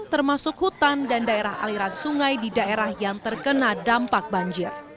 termasuk hutan dan daerah aliran sungai di daerah yang terkena dampak banjir